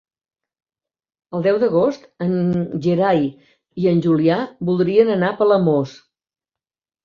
El deu d'agost en Gerai i en Julià voldrien anar a Palamós.